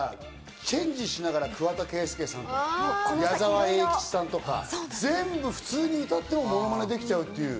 チェンジしながら桑田佳祐さんとか矢沢永吉さんとか、全部、普通に歌っても、ものまねできちゃうっていう。